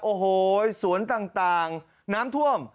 โอ้โหสวนต่างน้ำท่วม